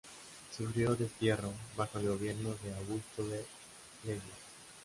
Sufrió destierro bajo el gobierno de Augusto B. Leguía.